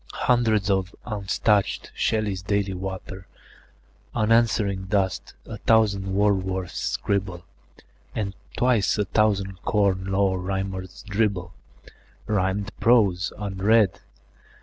Hundreds of unstaunched Shelleys daily water Unanswering dust; a thousand Wordsworths scribble; And twice a thousand Corn Law Rhymers dribble Rhymed prose, unread.